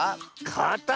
「かた」？